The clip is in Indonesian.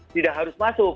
tidak harus masuk